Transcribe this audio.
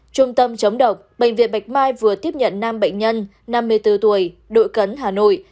trung tâm chống độc bệnh viện bạch mai vừa tiếp nhận năm bệnh nhân năm mươi bốn tuổi đội cấn hà nội